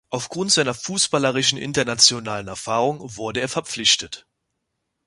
Aufgrund seiner fußballerischen internationalen Erfahrung wurde er verpflichtet.